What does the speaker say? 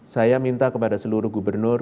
saya minta kepada seluruh gubernur